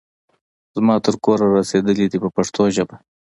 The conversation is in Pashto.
زما تر کوره را رسېدلي دي په پښتو ژبه.